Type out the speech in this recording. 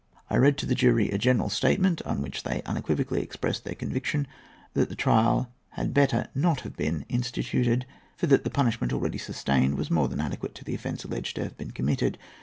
I read to the jury a general statement, on which they unequivocally expressed their conviction that the trial had better not have been instituted, for that the punishment already sustained was more than adequate to the offence alleged to have been committed.